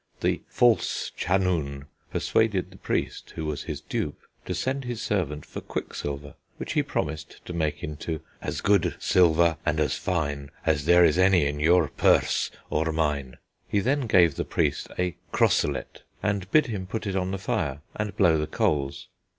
The "false chanoun" persuaded the priest, who was his dupe, to send his servant for quicksilver, which he promised to make into "as good silver and as fyn, As ther is any in youre purse or myn"; he then gave the priest a "crosselet," and bid him put it on the fire, and blow the coals.